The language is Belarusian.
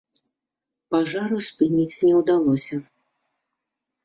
Пажару спыніць не ўдалося.